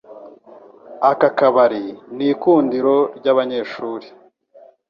Aka kabari nikundiro ryabanyeshuri.